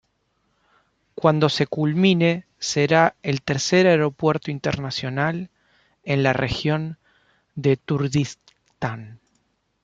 Cuando se culmine será el tercer aeropuerto internacional en la región del Kurdistán.